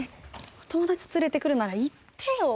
お友達連れてくるなら言ってよ